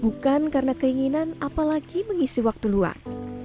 bukan karena keinginan apalagi mengisi waktu luar